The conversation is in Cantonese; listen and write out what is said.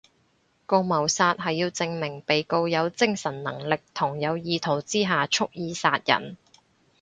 告謀殺係要證明被告有精神能力同有意圖之下蓄意殺人